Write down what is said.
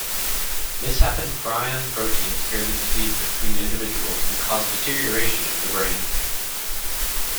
Misshapen prion proteins carry the disease between individuals and cause deterioration of the brain.